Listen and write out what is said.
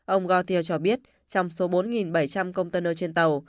ông gortier cho biết trong số bốn bảy trăm linh container trên tàu